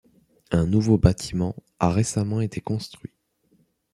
Un nouveau bâtiment a récemment été construit.